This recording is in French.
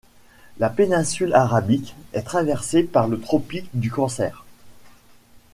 La péninsule Arabique est traversée par le tropique du Cancer.